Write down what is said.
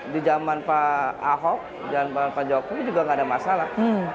di zaman pak ahok pak jokowi juga gak ada masalah